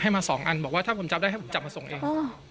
มา๒อันบอกว่าถ้าผมจับได้ให้ผมจับมาส่งเอง